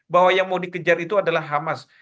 bahwa yang mau dikejar itu adalah hamas